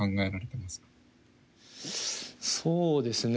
そうですね